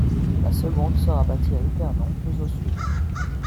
La seconde sera bâtie à Épernon, plus au sud.